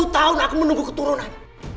sepuluh tahun aku menunggu keturunan